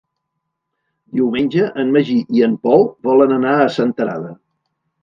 Diumenge en Magí i en Pol volen anar a Senterada.